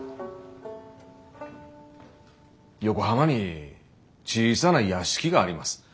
横浜に小さな屋敷があります。